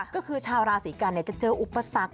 ก็คือชาวราศีกันจะเจออุปสรรค